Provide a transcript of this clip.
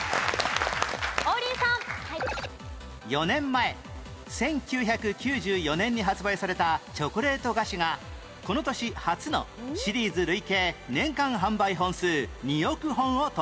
４年前１９９４年に発売されたチョコレート菓子がこの年初のシリーズ累計年間販売本数２億本を突破